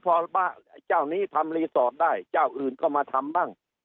พอเจ้านี้ทำรีสอร์ทได้เจ้าอื่นก็มาทำบ้าง